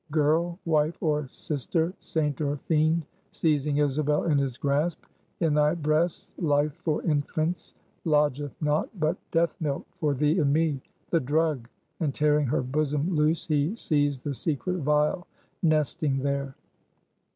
Girl! wife or sister, saint or fiend!" seizing Isabel in his grasp "in thy breasts, life for infants lodgeth not, but death milk for thee and me! The drug!" and tearing her bosom loose, he seized the secret vial nesting there.